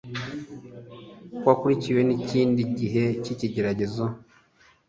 kwakurikiwe n'ikindi gihe cy'ikigeragezo